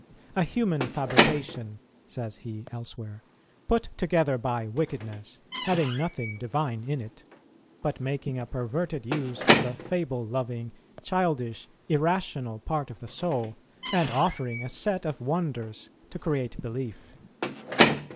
"A human fabrication," says he elsewhere, "put together by wickedness, having nothing divine in it, but making a perverted use of the fable loving, childish, irrational part of the soul, and offering a set of wonders to create belief."